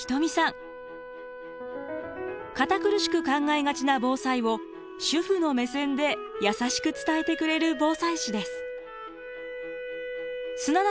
堅苦しく考えがちな防災を主婦の目線で優しく伝えてくれる防災士です。